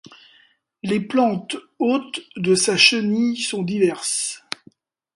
Les plantes hôtes de sa chenille sont diverses.